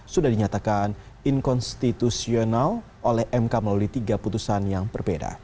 sudah dinyatakan inkonstitusional oleh mk melalui tiga putusan yang berbeda